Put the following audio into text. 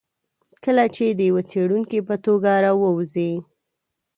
کله چې د یوه څېړونکي په توګه راووځي.